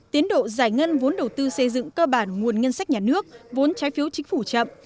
tiến độ giải ngân vốn đầu tư xây dựng cơ bản nguồn ngân sách nhà nước vốn trái phiếu chính phủ chậm